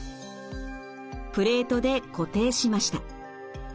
プレートで固定しました。